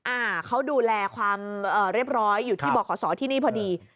อ่าเขาดูแลความเรียบร้อยอยู่ที่บอกขอสอที่นี่พอดี